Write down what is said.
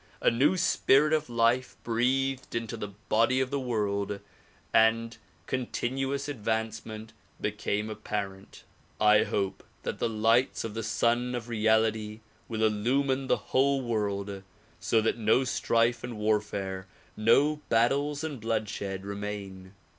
a new spirit of life breathed into the body of the world and con tinuous advancement became apparent. I hope that the lights of the Sun of Reality will illumine the whole world so that no strife and warfare, no battles and blood shed remain.